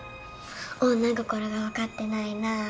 女心が分かってないな。